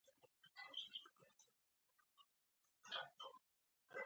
چې ځه ځه اسمان چې ستا پر دوه ګوتې ولاړ وي.